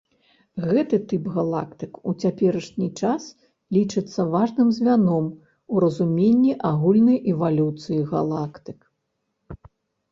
Гэты тып галактык ў цяперашні час лічыцца важным звяном у разуменні агульнай эвалюцыі галактык.